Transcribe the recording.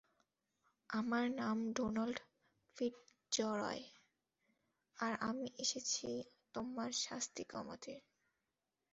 আমার নাম Donald Fitzroy, আর আমি এসেছি তোমার শাস্তি কমাতে।